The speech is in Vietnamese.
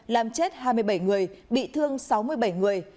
làm chết hai mươi bảy người bị thương sáu mươi bảy người